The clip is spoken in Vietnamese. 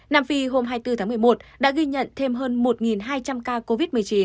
nam phi hôm hai mươi bốn tháng một mươi một đã ghi nhận thêm hơn một hai trăm linh ca covid một mươi chín